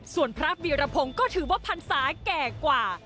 ส่วนพระวีรพงศ์ก็ถือว่าพรรษาแก่กว่า